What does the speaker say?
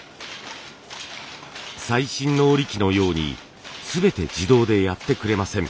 最新の織り機のように全て自動でやってくれません。